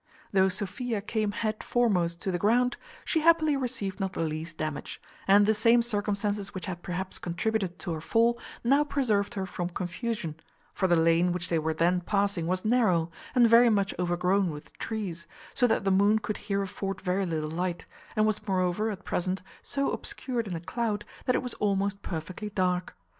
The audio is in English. Though Sophia came head foremost to the ground, she happily received not the least damage: and the same circumstances which had perhaps contributed to her fall now preserved her from confusion; for the lane which they were then passing was narrow, and very much overgrown with trees, so that the moon could here afford very little light, and was moreover, at present, so obscured in a cloud, that it was almost perfectly dark.